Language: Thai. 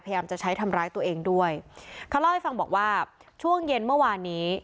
จะใช้ทำร้ายตัวเองด้วยเขาเล่าให้ฟังบอกว่าช่วงเย็นเมื่อวานนี้